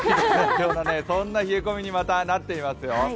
そんな冷え込みにまたなっていますよ。